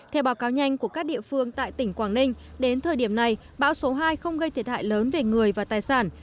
theo báo cáo nhanh của các địa phương tại tỉnh quảng ninh đến thời điểm này bão số hai không gây thiệt hại lớn về người và tài sản